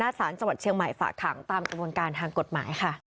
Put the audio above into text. สารจังหวัดเชียงใหม่ฝากขังตามกระบวนการทางกฎหมายค่ะ